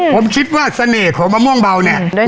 ผมคิดว่าเสน่ห์ของมะม่วงเบาเนี่ย